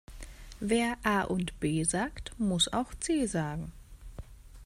Wer A und B sagt, muss auch C sagen.